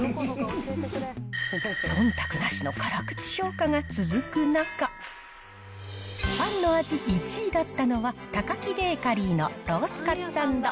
そんたくなしの辛口評価が続く中、パンの味１位だったのはタカキベーカリーのロースカツサンド。